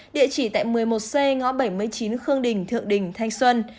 địa chỉ tại một mươi một c ngõ bảy mươi chín khương đình thượng đình thanh xuân